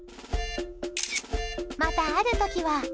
また、ある時は。